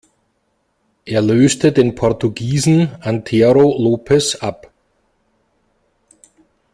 Er löste den Portugiesen Antero Lopes ab.